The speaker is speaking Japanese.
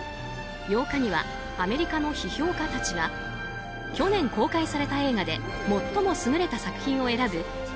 ８日にはアメリカの批評家たちが去年公開された映画で最も優れた作品を選ぶ